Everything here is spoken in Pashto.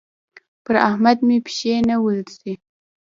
پر احمد مې پښې نه ورځي.